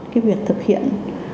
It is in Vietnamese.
cái việc thực hiện